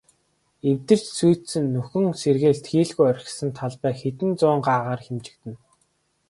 Эвдэрч сүйдсэн, нөхөн сэргээлт хийлгүй орхисон талбай хэдэн зуун гагаар хэмжигдэнэ.